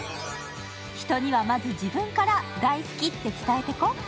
「人にはまず自分から「大好き」って伝えてこ！」